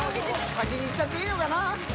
先にいっちゃっていいのかな